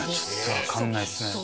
分かんないっすね。